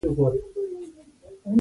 یوه سره ده یوه بوره.